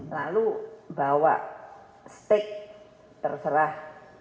lalu bawa steak terserah